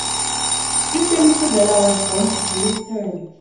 Efraim Sevela was born to Jewish parents.